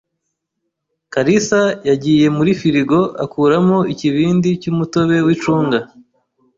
kalisa yagiye muri firigo akuramo ikibindi cy'umutobe w'icunga